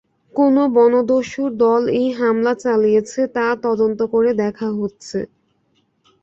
কোন বনদস্যুর দল এই হামলা চালিয়েছে, তা তদন্ত করে দেখা হচ্ছে।